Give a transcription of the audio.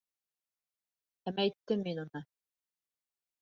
Һемәйттем мин уны.